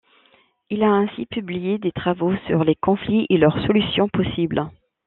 Il a ainsi publié des travaux sur les conflits et leur solutions possibles.